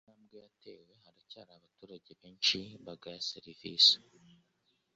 Nubwo hari intambwe yatewe haracyari abaturage benshi bagaya serivisi